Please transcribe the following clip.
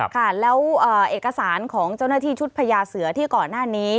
ค่ะแล้วเอกสารของเจ้าหน้าที่ชุดพญาเสือที่ก่อนหน้านี้